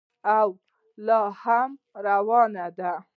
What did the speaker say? او لا هم روانه ده.